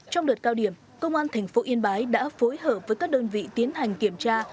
trong đợt cao điểm công an tp yên bái đã phối hợp với các đơn vị tiến hành kiểm tra